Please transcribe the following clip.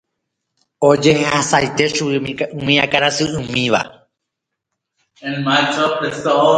Ojehasaitékuri chugui akãrasy umíva.